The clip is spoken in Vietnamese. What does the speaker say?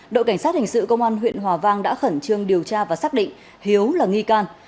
đội cảnh sát hình sự công an huyện hòa vang đã khẩn trương điều tra và xác định hiếu là nghi can